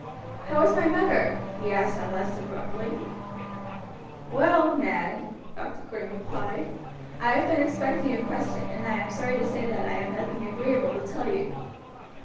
"How is my mother?" he asked at last abruptly. "Well, Ned," Dr. Green replied, "I have been expecting your question, and I am sorry to say that I have nothing agreeable to tell you."